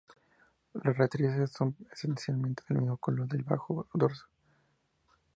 Las rectrices son esencialmente del mismo color del bajo dorso.